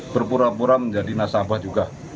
berpura pura menjadi nasabah juga